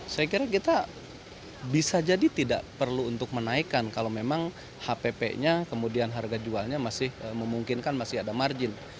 saya kira kita bisa jadi tidak perlu untuk menaikkan kalau memang hpp nya kemudian harga jualnya memungkinkan masih ada margin